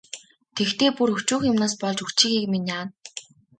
Тэгэхдээ бүр өчүүхэн юмнаас болж үрчийхийг минь яана.